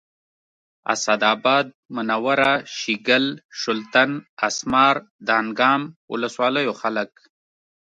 اسداباد منوره شیګل شلتن اسمار دانګام ولسوالیو خلک